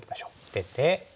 出て。